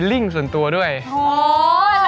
จะแจ้งว่าร้ายหรือเปล่า